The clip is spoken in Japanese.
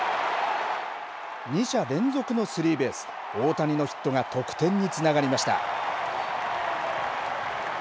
２者連続のスリーベース大谷のヒットが得点につながりました。